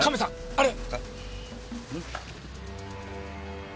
あれ！